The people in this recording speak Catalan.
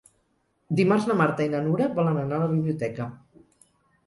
Dimarts na Marta i na Nura volen anar a la biblioteca.